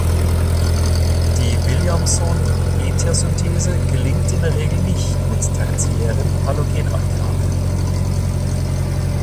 Die Williamson-Ethersynthese gelingt in der Regel nicht mit tertiären Halogenalkanen.